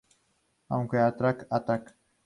Aunque Attack Attack!